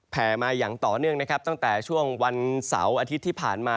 มาอย่างต่อเนื่องนะครับตั้งแต่ช่วงวันเสาร์อาทิตย์ที่ผ่านมา